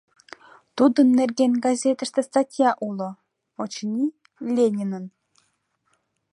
Тудын нерген газетыште статья уло, очыни, Ленинын.